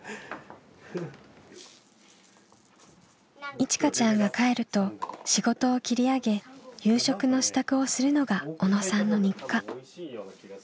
いちかちゃんが帰ると仕事を切り上げ夕食の支度をするのが小野さんの日課。